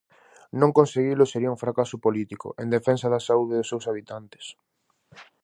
Non conseguilo sería un fracaso político en defensa da saúde dos seus habitantes.